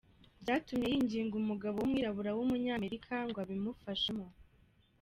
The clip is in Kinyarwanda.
Byatumye yinginga umugabo w’ umwirabura w’ umunyamerika ngo abimufashemo.